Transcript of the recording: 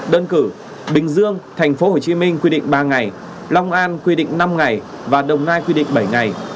đơn cử bình dương thành phố hồ chí minh quy định ba ngày long an quy định năm ngày và đồng nai quy định bảy ngày